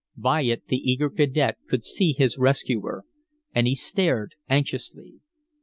By it the eager cadet could see his rescuer, and he stared anxiously.